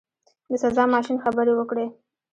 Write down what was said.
د سزا ماشین خبرې وکړې.